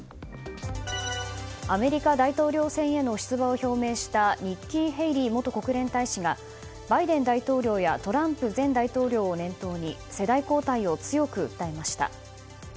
アメリカ大統領選への出馬を表明したニッキー・ヘイリー元国連大使がバイデン大統領やトランプ前大統領を念頭に世代交代を強く訴えました。